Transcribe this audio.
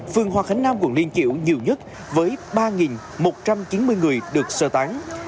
phường hòa khánh nam quận liên chịu nhiều nhất với ba một trăm chín mươi người được sơ tán